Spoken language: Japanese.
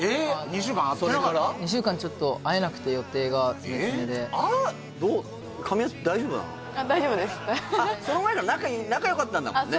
２週間ちょっと会えなくて予定が詰め詰めであどうあっその前から仲良かったんだもんね